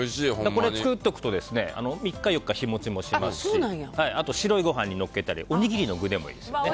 これを作っておくと３日、４日日持ちもしますしあと白いご飯にのっけたりおにぎりの具でもいいですよね。